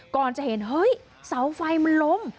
ก่อนจะเห็นเฮ้ยเสาไฟมันล้ม